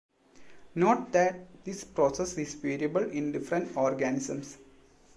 Note that this process is variable in different organisms.